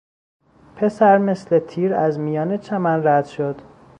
پسر مثل تیر از میان چمن رد شد.